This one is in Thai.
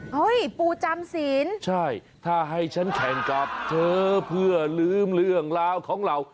ปูจำศีลใช่ถ้าให้ฉันแข่งกับเธอเพื่อลืมเรื่องราวของเรา